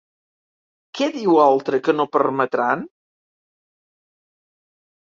Què diu Oltra que no permetran?